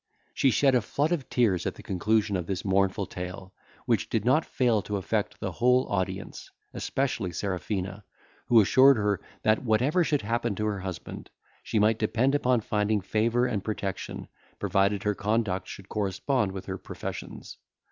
She shed a flood of tears at the conclusion of this mournful tale, which did not fail to affect the whole audience, especially Serafina, who assured her, that, whatever should happen to her husband, she might depend upon finding favour and protection, provided her conduct should correspond with her professions.